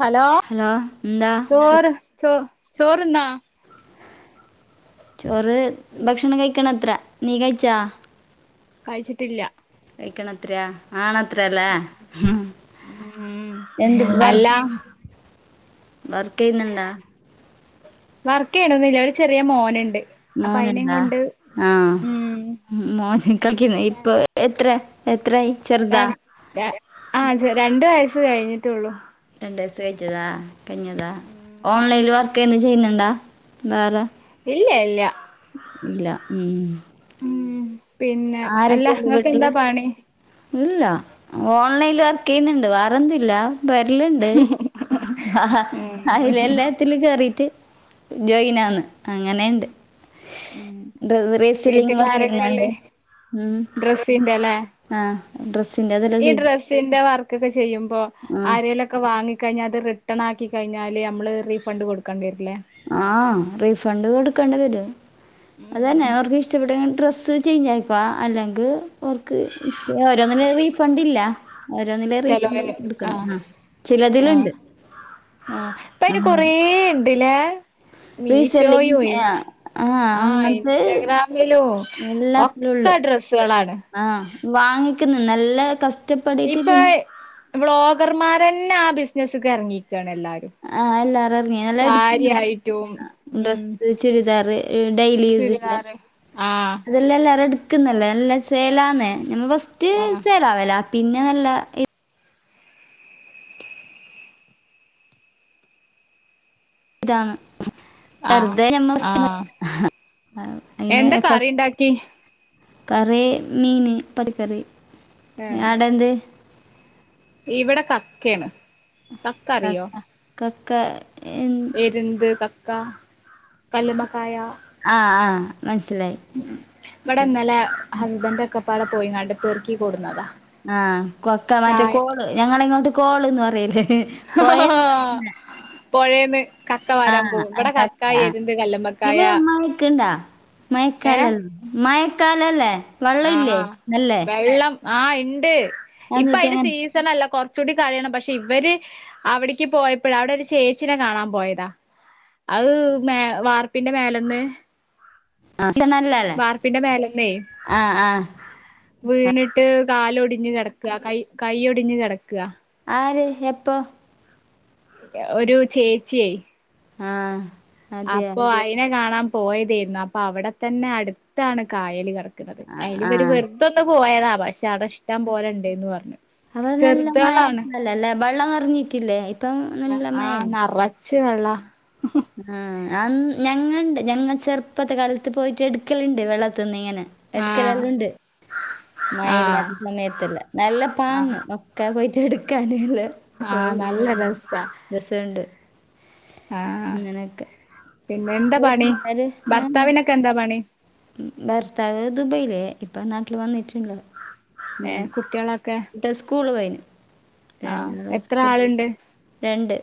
Hello എന്താ സു- ചോറ് ചോ ചോറ് ന്നോ? ചോറ് ഭക്ഷണം കഴിക്കണത്ര നീ കയിച്ചാ? കഴിച്ചിട്ടില്ല. കഴിക്കണെത്രയാ ആണത്രല്ലേ. മ്ഹ് ഉം എന്ത് വർ അല്ല വർക്കെയ്ന്നുണ്ടോ? വർക്ക് ചെയ്യ്ണൊന്നില്ല. ഒര് ചെറിയ മോന്ണ്ട്. മോന്ണ്ടാ? ആഹ് മോൻ കളിക്ന്ന്. ഇപ്പൊ എത്ര എത്രായി? രൻ ര ആ ഹ് ചെ രണ്ട് വയസ്സ് കഴിഞ്ഞിട്ടേള്ളൂ. രണ്ടയിസ് കഴിച്ചതാ കഴിഞ്ഞതാ ഉം ഓൺലൈൻൽ വർ ക്കെയെന്നും ചെയ്യുന്നുണ്ടാ? വേറെ ഇല്ല ഇല്ല ഇല്ല ഉം ഉം ഉം പിന്നെ അല്ല ഇങ്ങക്ക്‌ എന്താ വീട്ടില് പാണി? ഇല്ല. ഓൺലൈനില് വർക്ക് ചെയ്യന്ന്ണ്ട്. വേറെന്തു ഇല്ല. വരലിണ്ട് ഹ ഹ അയിലല്ലേ ത്തില് കേറീട്ട് ജോയിനാന്ന്. അങ്ങനെണ്ട്. ഉം ഡ്ര റീസെല്ലിങ്ങൊക്കെ ഇല്ലാണ്ട് ഡ്രെസ്സിന്റെ ലേ. ആഹ് ഡ്രസ്സിന്റെത് ഈ ഡ്രസ്സിന്റെ വർക്കൊക്കെ ചെയ്യുമ്പോ ആ ആരെലൊക്കെ വാങ്ങി കഴിഞ്ഞാ അത് റിട്ടൺ ആക്കി കഴിഞ്ഞാല് നമ്മള് റീഫണ്ട് കൊടുക്കണ്ടി വരില്ലേ ആഹ് റീഫണ്ട് കൊടുക്കണ്ടി വരും. അതന്നെ അവർക്ക് ഇഷ്ടപ്പെട്ടങ്കി ഡ്രസ്സ് ചേഞ്ച് ആയെക്കുവ അല്ലെങ്കി ഓർക്ക് ഓരോന്നിന് റീഫണ്ട് ഇല്ല ഓരോന്നില് റീ ഫണ്ട് കൊടുക്കുന്ന്. ആഹ് ചിലതിലിണ്ട്. ആഹ് ആഹ് ഇപ്പയ്ന് കൊറേ ഉണ്ട് ലേ. റീസെല്ലിങ് മീഷോയു ഇൻസ് ആഹ് ആഹ് അങ്ങനത്തെ ഇൻസ്റ്റഗ്രാമിലും എല്ലാത്തിലും ഉള്ളു. ഒക്കെ ഡ്രസ്സുകളാണ് ആഹ് വാങ്ങിക്കിന്ന് നല്ല കസ് ഇപ്പൊ ബ്ലോഗർമാര് തന്നെ ആഹ് ബിസിനസ്ക്കെ എറങ്ങിരിക്കയാണ് എല്ലാരും ആഹ് എല്ലാരും ഇറങ്ങി നല്ല എടുക്കാ സാരി തന്നെ ആയിട്ടും ഉം ഡ്രസ്സ് ചുരിദാറ് ഈ ഡൈലി യൂസിന് ചുരിദാറ് ആഹ് ഇതല്ലലേറെ ഇ ക്ക് നല്ല ചേലാന്ന് ഞമ്മ ഫസ്റ്റ് ആഹ് ചേലാവേല പിന്നെ നല്ല ഇ ഇതാന്ന് ആഹ് വെറുതെ അമ്മറസ്ററ് ന് ആഹ് ഹ് അ അയിനെ എന്താ കറി ഉണ്ടാക്കി കറി മീന് പടിക്കറി ഏഹ് ആടെന്ത് ഇവിടെ കക്കയാണ് കക്ക കക്ക എൻ പെരുന്ത് കക്ക കല്ല്മക്കായ ആഹ് ആഹ് മനസ്സിലായി ഇവിടെ ഇന്നലെ ഹസ്ബൻഡ് ഒക്കെപ്പടെ പോയിങ്ങാട്ട് പേർക്കിക്കൂടുന്നതാ ആഹ് കൊക്ക മറ്റേ കോള് ഞങ്ങള് ഇങ്ങോട്ട് കോള്ന്ന് പറയല് പോയെ പിന്നെ പുഴേന്ന് കക്ക വരാൻ ആഹ് പോകും ആഹ് ഇവിടെ കക്ക ആഹ് എരുന്ത് ഇത് കല്ലുമ്മക്കായ ഉമ്മ വിക്ക്ണ്ടാ ഏഹ് മയക്കാലം മയക്കാലല്ലേ വെള്ളംല്ലേ ആഹ് നല്ലേ വെള്ളം ആഹ് ഇണ്ട് ഇപ്പൊ എന്നിട്ട് അതിന്റെ സീസൺ അല്ല കൊറചൂടികഴിയണം പക്ഷെ ഇവര് അവിടെക്ക് പോയപ്പഴ അവിടെ ഒരു ചേച്ചിനെ കാണാൻ പോയതാ അത് മേ വാർപ്പിന്റെ മേലന്ന് [unintelligible] വാർപ്പിന്റെ മേലെന്നെ ആഹ് ആഹ് വീണിട്ട് കാല് ഒടിഞ്ഞ് കെടക്കാ കൈ കൈ ഒടിഞ്ഞ് കെടക്കാ ആര് ഏപ്പോ ഒരു ചേച്ചിയെ ആഹ് അതെയോ അപ്പോ അയിനെ കാണാൻ പോയതെ യിര്ന്ന് പ്പ അവിടെ തന്നെ അട്ത്താണ് കായല് കട അയിൽ ഇവര് ആഹ് വെറ്തൊന്ന് പോയതാ പക്ഷെ അടെ ഇഷ്ടം പോലെ ഇണ്ടേന്ന് പറ്ഞ്ഞു അവാ നല്ല മഴല്ലല്ലേ ബള്ള റിഞ്ഞിറ്റില്ലേ ഇപ്പം നല്ല മഴല്ലേ ചെള്ള മ്ഹ് ആഹ് അന് ഞങ്ങണ്ട് ഞങ്ങ ചെറ്പ്പത്ത് കാലത്ത് പോയിട്ട് എടുക്കല്ണ്ട് വെള്ളത്ത്ന്ന് ഇങ്ങനെ ആഹ് എട്ക്കലല്ലോണ്ട് ആഹ് മഴയില്ലാത്ത സമയ്ത്തല്ല നല്ല ആഹ് പാങ്ങ് ഓ ക്ക പോയിറ്റ് എടുക്കാൻള്ള കൊ ആഹ് നല്ല രസാ രസ്ണ്ട് ആഹ് നിന്കെ പിന്നെ ന്താ പണി ആഹ്. ഭർത്താവിനൊക്കെ ന്താ പണി ഭർത്താവ് ദുബൈലേ ഇപ്പ നാട്ടിൽ വന്നിറ്റ്ണ്ട് ങ്ങ ഏഹ് കുട്ടികളൊക്കെ ട്ട് സ്കൂള് പോയിന് ആഹ് രണ്ടാ എത്ര സ്കൂ ആളുണ്ട് [unintelligible] രണ്ട്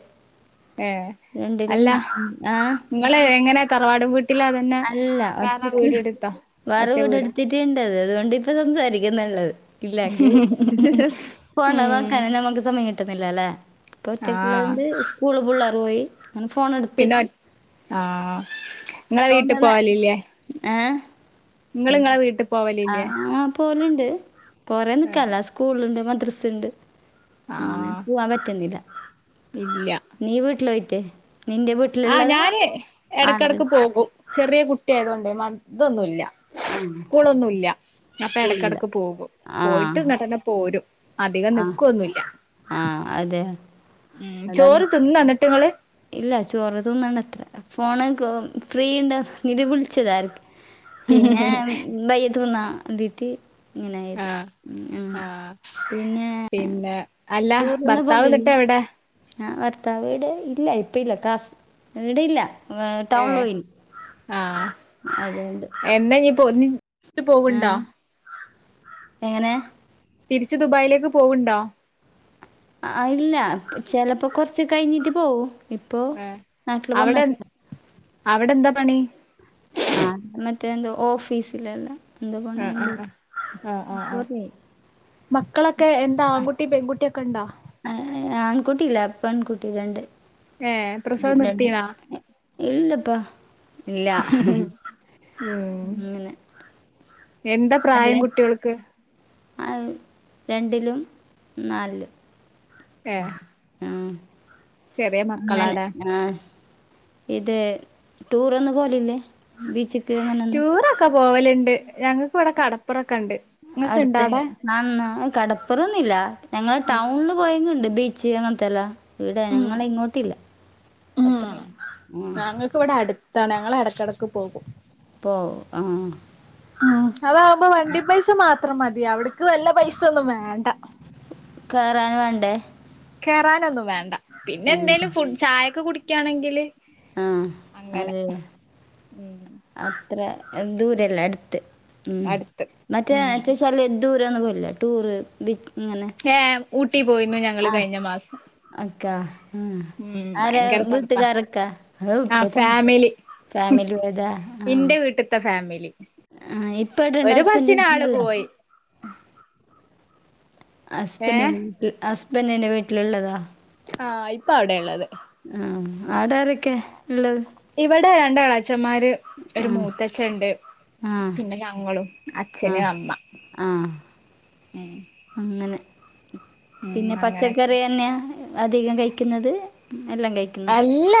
രണ്ടിലും ങ്ങ ആഹ് ഇങ്ങളെ എങ്ങനെ തറവാട്ടും വീട്ടില അതന്നെ അല്ല. വേറാ വീട് ഇട്ത്താ ഒറ്റ വീടാ ണ്ടത് അതുകൊണ്ട് ഇപ്പ സ്വന്തായിരിക്കും നല്ലത് ഇല്ലെങ്ക് ഫോണ് ഉം നോക്കാന നമ്മക്ക് സമയം കിട്ട്ന്നില്ലല്ലെ ഇപ്പൊ ആഹ് ഒറ്റക്ക്ള്ളത്ണ്ട് സ്കൂള് പിള്ള്ർ പോയി അങ്ങനെ പിന്നെ ഫോണെടുത്തിട്ട് ഓറ്റ് ആഹ ഇങ്ങളെ വീട്ട്ൽ പോവാലില്ലേ ആഹ് വീട്ടിൽ പോവലില്ലേ ആഹ് പോല്ണ്ട് കൊറെേ നിക്കല്ല സ്കൂള്ണ്ട് മദ്രസ്ണ്ട് മാം പുവാൻ പറ്റ്ന്നില്ല ഇല്യ നീ വീട്ട്ലോയിട്ട് നിന്റെ വീ ആ ഞാന് എടക്കടക്ക് പോകും. ചെറിയ കുട്ടിയായതൊണ്ടെ മ തൊന്നുല്ല ആ. സ്കൂളൊന്നുല്ല. അപ്പ സ്കൂളില്ല. എടക്കടക്ക് പോകും. ആ. പോയിട്ട്ങ്ങട്ടനെ പോരും. അധികം ആ. നിക്കോന്നുല്ല. ആഹ് അതെ ഉം അടാ ചോറ് ത്‌ന്നൊ ങ്ങട്ട്ങ്ങള് ഇല്ല ചോറ് തിന്നണത്ര. ഫോണ് ക്ക് ഫ്രീ ഇണ്ട്. ഇജ്‌ വിളിച്ചതർക്ക് പിന്നെ മ് ഭയ്യ തിന്നാ ദീത്തി ഇങ്ങനായത്. ആഹ് മ് അങ്ങനെ നിന്നേ ന്നെ അല്ല ടൂറ് ന്ന ഭർത്താവ് പോകേല്? ന്നിട്ട് എവിടെ ആഹ്, ഭർത്താവിടെ ഇല്ല ഇപ്പ ഇല്ല കാസ് ഇവ്ട ഇല്ല. ഏ ടൗണ്ൽ ഏഹ് ഓയിൻ അതോണ്ട് എന്ന നീ പോര്ണ്. ട്ട് പോവ്ണ്ട എങ്ങനെ? തിരിച്ച് ദുബായിലേക്ക് പോവ് ണ്ടൊ? അആ ഇല്ല, ചെലപ്പോ കൊർച്ച് കഴിഞ്ഞിറ്റ് പോവും. ഇപ്പോൾ ഉം, നാട്ടിൽ അവടെൻ വന്നിട്ട് അവടെ ന്താ പണി? ആഹ്, ന്നട്ട് എന്ത്? ഓഫീസിലല്ല. ആഹ് ന്തോപണിണ്ട്. ആഹ് ആഹ് ആഹ് ആഹ് ആഹ് [unintelligible] [unintelligible] മക്കളൊക്കെ എന്താ ആങ്കുട്ടി പെങ്കുട്ടി ഒക്കെ ണ്ട? ഏഹ്, ആൺകുട്ടിയില്ല. പ്പൺ കുട്ടി രണ്ട് ഏഹ് പ്രസവം നിർത്തീണോ [unintelligible] ഇല്ലപ്പ. ഇല്ല ഉം, എന്താ പ്രായം കുട്ടിയോൾക്ക് ആ രണ്ടിലും നാൽലും ഏഹ് ആഹ്, ചെറിയ അങ്ങനെ മക്കളാല്ലേ ആഹ് ഇത് ടൂറൊന്ന് പോലില്ലേ? ബീച്ചി ടൂറൊക്കെ പോവല്ണ്ട്. ഞങ്ങക്ക്‌വടെ കടപ്പറൊക്കെണ്ട്. അടുത്തന്ന നന്നാ കടപ്പൊറൊന്നില്ല. ഞങ്ങള് ഉം ടൗൺല് പോയിങ്ങണ്ട് ബീച്ച് അങ്ങനത്തെല്ലാ. ഇവിട ഉം ഞങ്ങളെ ഇങ്ങോട്ടില്ല. അത്ര [unintelligible] പ്പ് ഇവടെ അട്ത്താണ് ഞങ്ങള് എടക്കടക്ക് പോകും. പ്പൊ ആഹ് ഉം, അതാകുമ്പോ വണ്ടി പ്പൈസ മാത്രം മതി. അവിട്ക്ക് വല്ല പൈസ ഒന്നും വേണ്ട. കയറാന് വേണ്ടേ? കേറാനൊന്നും വേണ്ട. പിന്നെ ഉം. എന്തേലും ഫു ചായൊക്കെ കുടിക്ക്യാണെങ്കില് ആഹ്, അതെ അയെ. ഉം അത്രെ ദൂരല്ല അട്ത്ത്. ഉം, അടുത്ത് മറ്റേ ഉം റ്റെ സ്ഥലം ദൂര ഒന്നും പോവൽല്ല. ടൂറ് ബീ ങ്ങനെ ഹേ, ഊട്ടി പോയിന്നു ഞങ്ങള് കഴിഞ്ഞ മാസം അക്കാ ഉം. ആരേ ഭയങ്കര തണുപ്പാ വീട്ടുകാരൊക്കാ ആ [unintelligible] ഫാമിലി ഫാമിലി ഏതാ ആഹ് ഇന്റെ വീട്ടത്തെ ഫാമിലി ആഹ്, ഇപ്പടെണ്ട് ഒരു ഹസ്ബന്റ്. ബസ്സിന് ആള് [unintelligible] പോയി അസ്ബ ഏഹ് [unintelligible] ഹസ്ബന്റിന്റെ വീട്ടില്ള്ളതാ ആഹ് ഇപ്പ അവിടെ ള്ളത് ആഹ് അവ്ടാരൊക്കെ ള്ളത് ഇവിടെ രണ്ട് എളച്ചൻമാര് ഒരു ആ മൂത്തച്ഛൻ ണ്ട്. ആ പിന്നെ ഞങ്ങളും, ആ അച്ഛന്, അമ്മ ആ ഉം അങ്ങനെ. പിന്നെ അങ്ങനൊക്കെ പച്ചക്കറി തന്നെയ അധികം കഴിക്ക്ന്നത്? എല്ലാം കഴിക്ക്ന്നു. ഇല്ല,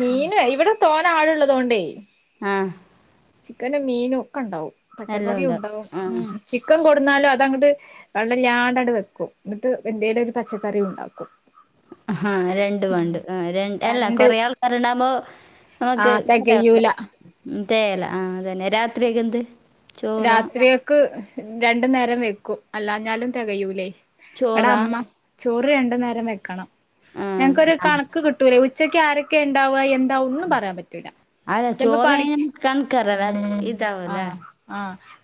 മീന് ഇവിടെ തോനെ ആള് ഉള്ളത് കൊണ്ടേ ആഹ് ചിക്കനും മീനും ഒക്കെ ഉണ്ടാവും എല്ലാം പച്ചക്കറിയും ഉണ്ട് ഉണ്ടാവും ആ ഉം ചിക്കൻ കൊടുന്നാലും അതങ്ങട്ട് വെള്ളല്ലാണ്ട് വെക്കും എന്നിട്ട് എന്തേലും ഒരു പച്ചക്കറി ഉണ്ടാക്കും ഹാ രണ്ടും പണ്ട് ര അല്ല രണ്ട് കൊറ ആള്കാര് ഉണ്ടാകുബോ നമക്ക് ആഹ് [unintelligible] തെകയൂല തേയ്ല ആ അതന്നെ രാത്രിക്കെ എന്ത് ചോറാ രാത്രിയൊക്ക് രണ്ടു നേരം വെക്കും അല്ലാഞ്ഞാൽ തികയൂലേ എടെ ചോറാ അമ്മ ചോറ് രണ്ടു നേരം വെക്കണം ആ ഞങ്ങക്കരു ആ കണക്ക് കിട്ടു ഉച്ചയ്ക്ക് ആരെക്കെ ഉണ്ടാവുക എ എന്താ ഒന്നും പറയാൻ പറ്റൂല ചിലപ്പോ പണിക്ക് ആഹ് ആ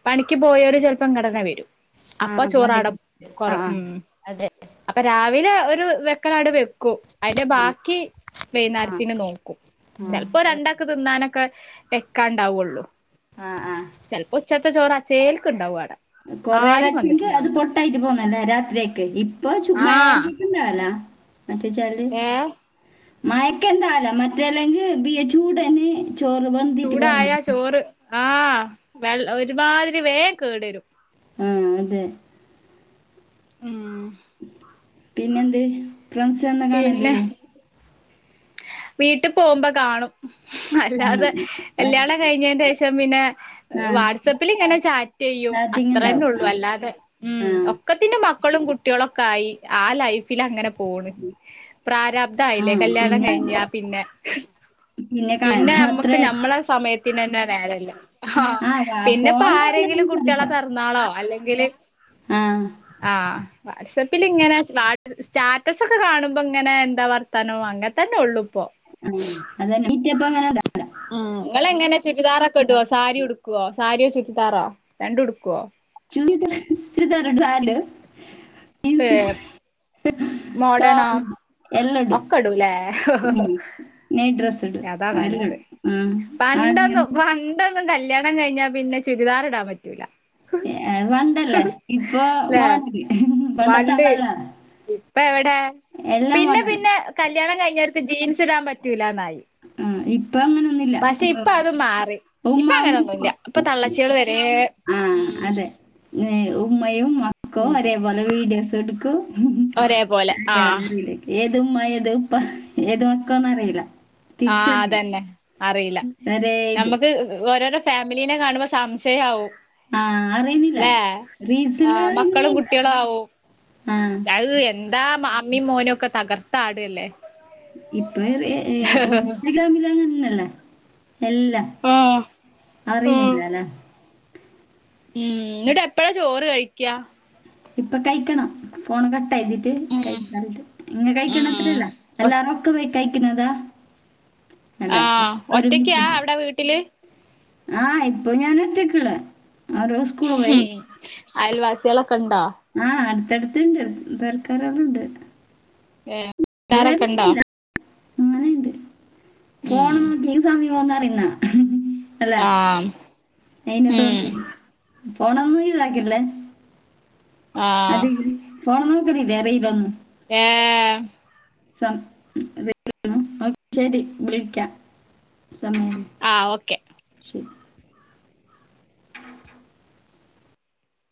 പണിക്ക് പോയോര് ചെലപ്പം ഇങ്ങോട്ട്ന്നെ വരും അപ്പൊ ചോറാടെ കൊറ ഉം അതെ അപ്പൊ രാവിലെ ഒരു വെക്കലാട് വെകും ക്കും അതിന്റെ ആ ബാക്കി ആ വൈന്നേരത്തിന് നോക്കും ആ ചെലപ്പോ ഇപ്പൊ അതെ. രണ്ടൊക്കെ തിന്നാനൊക്കെ വെക്കാണ്ടാവുള്ളൂ ആഹ് ആഹ് ചിലപ്പോ ഉച്ചത്തെ ചോറ് ആചേൽക്ക് ഉണ്ടാവും അടെ കൊറേ ആരും വെച്ചെങ്കിൽ വന്നിട്ടുണ്ടാവില്ല ആഹ് ഏ [unintelligible] മയക്കെന്താല മറ്റേ അല്ലെങ്കിൽ ബി എച്ച് ചൂടന് ചോറ് വന്നിട്ട് ചൂടായ പോന്നല്ലേ ചോറ് ആഹ് വെ ഒരുമാതിരി വേ കേടുരും ആ അതെ ഉം പിന്നെന്ത് ഫ്രണ്ട്സ് ഒന്നും പിന്നെ കാണലില്ലേ വീട്ടിൽ പോകുമ്പോ കാണും അല്ലാതെ കാണാം മറ്റ്- എല്ലയാള കഴിഞ്ഞറ്റൈ ശേഷം പിന്നെ ആ വാട്സആപ്പിൽ ഇങ്ങനെ ചാറ്റ് ചെയ്യും ചാറ്റിങ് അത്ര തന്നെ ഉണ്ടാവും ആ ഉള്ളൂ അല്ലാതെ ഉം ആ ഒക്കെ പിന്നെ മക്കളും കുട്ടികളും ഒക്കെ ആയി ആ ലൈഫിൽ അങ്ങനെ പോണ് ആ പ്രാരാബ്ധായില്ലേ കല്യാ പിന്നെ ക്കഴിഞ്ഞ പിന്നെ പിന്നെ കാണാം നമ്മക്ക് അത്രേ നമ്മളെ ഹസ് സമയത്തിന് തന്നെ നേരയില്ല ആഹ് ആ പിന്നെപ്പോ ഫോണില് ആരെങ്കിലും പിന്നെ കുട്ടികളെ സംസാരിക്കാം ബെർ ന്നാളോ അല്ലെങ്കില് ആ ആഹ് വാട്സപ്പില് ഇങ്ങനെ സ്ല സ്റ്റാറ്റസ് ഒക്കെ കാണുമ്പോ ഇങ്ങനെ എന്താ വർത്താനോ അങ്ങനെ തന്നൊള്ളു ഇപ്പോ ഉം അതന്നെ നീറ്റിയപ്പ അങ്ങനെല്ല ഉം നിങ്ങള് എങ്ങനെ ചുരിദാറൊക്കെ ഇടോ സാരി ഉടുക്കുവോ സാരിയോ ചുരിതാറോ രണ്ടു ഉടുക്കുവോ ചുരിത ചുരിതാറിടുവാല്ലോ [unintelligible] പേ മോഡേണോ ടോപ്പ് ഇടും എല്ലാം ഒക്കഇടൂലേ നെയ് ഡ്രസ് ഇടും അതാ എല്ലാം നല്ലത് ഇടും ഉം. ആണങ്ങനെ. പണ്ടൊന്നും പൺ പണ്ടൊന്നും കല്യാണം കഴിഞ്ഞാ പിന്നെ ചുരിദാർ ഇടാൻ പറ്റൂല ഏഹ് പണ്ടല്ലേ ഇപ്പൊ ല്ലേ വേണങ്കി പണ്ട് പണ്ടത്താളല്ല ഇപ്പ എവിടെ പിന്നെ പിന്നെ കല്യാണം കഴിഞ്ഞവർക്ക് ജീൻസ് ഇടാൻ പറ്റൂലന്നായി ഇപ്പൊ അങ്ങനൊന്നുമില്ല പക്ഷെ ഇപ്പം അത് മാറി ഇപ്പ ഉമ്മ അങ്ങനെന്നും ഇല്ല ഇപ്പൊ ഉമ്മ തള്ളച്ചികള് വരെ ഉം ങ്ങേ ഉമ്മയും മക്കോ ഉം ഒരേപോലെ വീഡിയോസ് എടുക്കും ഒരേ പോലെ ആഹ് ഗ്യാലറിലെ ഏത് ഉമ്മ ഏത് ഉപ്പ ഏത് മക്കോന്നും അറിയില്ല ആഹ് തിരിച്ചറിയില്ല അതന്നെ അറിയില്ല ഒരേ ഇത് നമ്മുക്ക് ഓരോരോ ഫാമിലീനെ കാണുമ്പോ സംശയാകും ആഹ് അറിയുന്നില്ല റീൽസില് ആഹ് ഇങ്ങനെ മക്കളും ഇല്ല ആഹ് അഹ് എന്താ മ അമ്മീ മോനും ഒക്കെ തകർത്താട്കല്ലേ ഇപ്പർ എ ഏഹ് ഇൻസ്റ്റാഗ്രാമിലെല്ലാ അങ്ങനന്നല്ലേ എല്ലാ ആഹ് അറിയുന്നില്ലല്ലേ ഉം എന്നിട്ട് എപ്പഴാ ചോറ് കഴിക്യാ ഇപ്പം കയ്ക്കണം ഫോൺ കട്ടാക്കിട്ട് ഉം കഴിക്കാനായിട്ട് ഇങ്ങ കഴിക്കണ ഉം അത്രയില്ല എല്ലാർക്കും പോയി കഴിക്കുന്നതാ അല്ല ആഹ് ഒറ്റക്കാ അവിടെ വീട്ടില് ആഹ് ഇപ്പം ഞാന് ഒറ്റക്കോള്ളൂ ഉം അയൽവാസിക്കളൊക്കെ ഉണ്ടാ? ആഹ് അടുത്തടുത്തുണ്ട് [unintelligible] ഏഹ് [unintelligible] കണ്ടാ വരുന്നില്ല അങ്ങനെയുണ്ട് ഫോൺ ഉം നോക്കിയെ ഏത് സമയമാന്നു അറിന്നാ അല്ലേ ആഹ് അയിന് ഉം തോണ്ടി ഫോണെനൊന്നും ഇതാക്കില്ലേ ആഹ് അതി ഫോൺ ഒന്നും [unintelligible] ഏഹ് സം [inaudible] ഓഹ് ശരി വിളിക്കാം സമയം ആഹ് ഓക്കെ ശരി